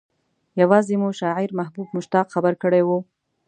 يوازې مو شاعر محبوب مشتاق خبر کړی و.